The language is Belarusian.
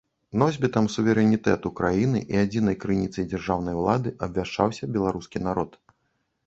Носьбітам суверэнітэту краіны і адзінай крыніцай дзяржаўнай улады абвяшчаўся беларускі народ.